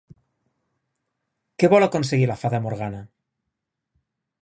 Què vol aconseguir la Fada Morgana?